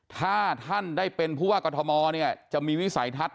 ถ้าท่านได้เป็นผู้ว่ากฎมจะมีวิสัยทัศน์